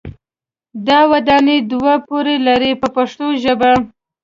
دا ودانۍ دوه پوړه لري په پښتو ژبه.